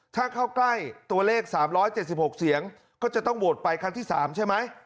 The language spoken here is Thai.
ถ้าเข้าใกล้ตัวเลขสามร้อยเจ็ดสิบหกเสียงก็จะต้องโหวดไปครั้งที่สามใช่ไหม